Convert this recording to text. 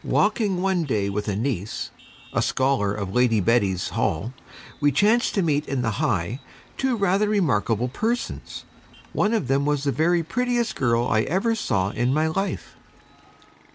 Walking one day with a niece, a scholar of Lady Betty's Hall, we chanced to meet in the High two rather remarkable persons. One of them was the very prettiest girl I ever saw in my life.